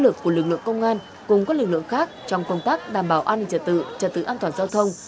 lực lượng công an cùng các lực lượng khác trong công tác đảm bảo an ninh trật tự trật tự an toàn giao thông